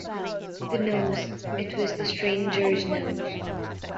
The nose — it was the stranger's nose!